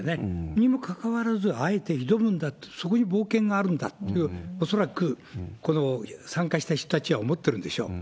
にもかかわらず、あえて挑むんだと、そこに冒険があるんだっていう、恐らくこの参加した人たちは思ってるんでしょう。